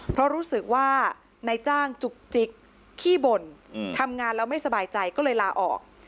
เพราะรู้สึกว่านายจ้างจุกจิกขี้บ่นทำงานแล้วไม่สบายใจก็เลยลาออก